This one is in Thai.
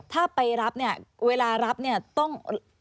ถ้าไปรับเนี่ยเวลารับเนี่ยต้อง